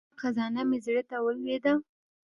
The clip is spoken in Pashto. د فراق خزانه مې زړه ته ولوېده.